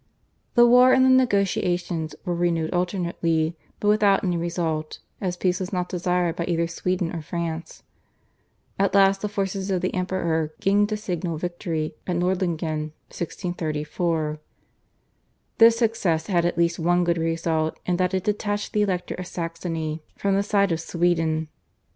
The war and the negotiations were renewed alternately, but without any result as peace was not desired by either Sweden or France. At last the forces of the Emperor gained a signal victory at Nordlingen (1634). This success had at least one good result in that it detached the Elector of Saxony from the side of Sweden.